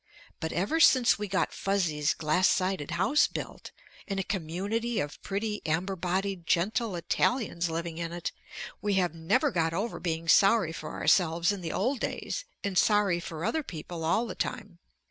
But ever since we got Fuzzy's glass sided house built and a community of pretty amber bodied gentle Italians living in it, we have never got over being sorry for ourselves in the old days and sorry for other people all the time.